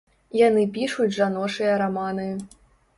Яны пішуць жаночыя раманы.